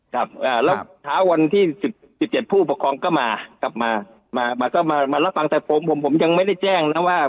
ครับแล้วเช้าวันที่๑๗ผู้ปกครองก็มากลับมาก็มามารับฟังแต่ผมผมยังไม่ได้แจ้งนะว่า